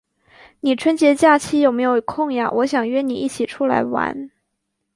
你春节假期有没有空呀？我想约你一起出来玩。